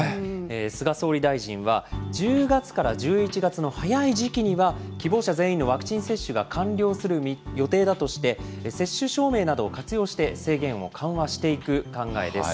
菅総理大臣は、１０月から１１月の早い時期には、希望者全員のワクチン接種が完了する予定だとして、接種証明などを活用して、制限を緩和していく考えです。